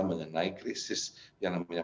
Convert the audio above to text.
mengenai krisis yang namanya